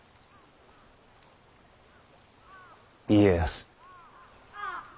家康。